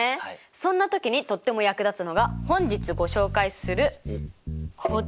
そんな時にとっても役立つのが本日ご紹介するこちら！